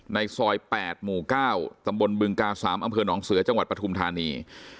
ในซอย๘หมู่๙ตำบลบึงกา๓อำเภอหนองเสือจังหวัดปฐุมธานี